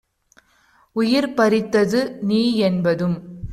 உயிர் பறித்தது நீஎன்பதும்